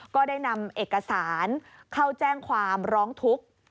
ก็ได้นำเอกสารเข้าแจ้งความร้องทุกข์